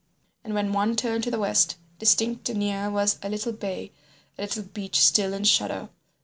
And when one turned to the west, distinct and near was a little bay, a little beach still in shadow.